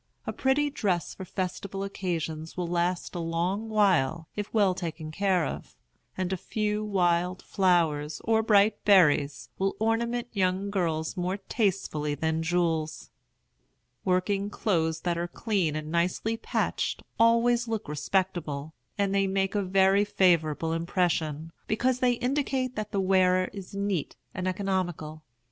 A pretty dress for festival occasions will last a long while, if well taken care of; and a few wild flowers, or bright berries, will ornament young girls more tastefully than jewels. Working clothes that are clean and nicely patched always look respectable; and they make a very favorable impression, because they indicate that the wearer is neat and economical.